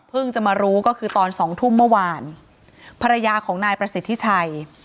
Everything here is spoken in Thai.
จะมารู้ก็คือตอนสองทุ่มเมื่อวานภรรยาของนายประสิทธิชัย